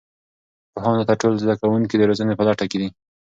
پوهانو ته ټول زده کوونکي د روزنې په لټه کې دي.